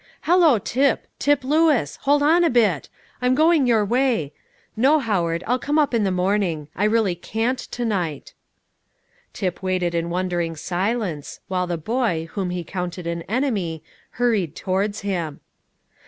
Hallo, Tip! Tip Lewis! Hold on a bit! I'm going your way. No, Howard, I'll come up in the morning; I really can't to night." Tip waited in wondering silence, while the boy, whom he counted an enemy, hurried towards him.